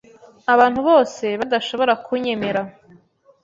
abantu bose badashobora kunyemera